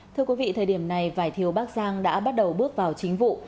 thưa quý vị thời điểm này vải thiếu bác giang đã bắt đầu bước vào chính vụ